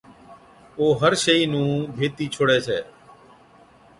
او هر شئِي نُون ڀيتِي ڇوڙَي ڇَي۔